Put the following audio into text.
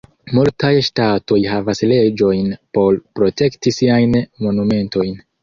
Multaj ŝtatoj havas leĝojn por protekti siajn monumentojn.